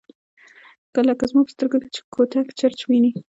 لکه زما په سترګو کې چي “ګوتهک چرچ” ویني